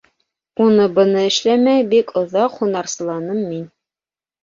Уны-быны эшләмәй бик оҙаҡ һунарсыланым мин.